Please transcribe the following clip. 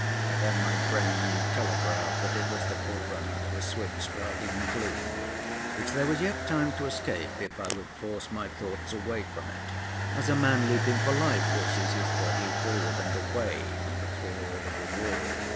Then my brain telegraphed that it was the forerunner of a swift striding gloom which there was yet time to escape if I would force my thoughts away from it, as a man leaping for life forces his body forward and away from the fall of a wall.